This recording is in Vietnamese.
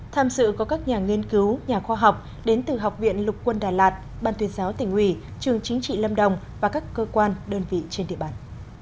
tham dự có các nhà nghiên cứu nhà khoa học đến từ học viện lục quân đà lạt ban tuyên giáo tỉnh ủy trường chính trị lâm đồng và các cơ quan đơn vị trên địa bàn